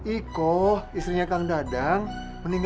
ikoh isri kang dadang